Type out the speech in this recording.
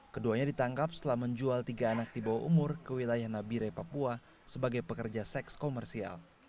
keduanya ditangkap setelah menjual tiga anak di bawah umur ke wilayah nabire papua sebagai pekerja seks komersial